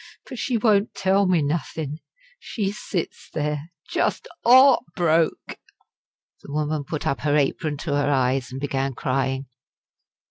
But she won't tell me nothin'. She sits there just heart broke" the woman put up her apron to her eyes and began crying.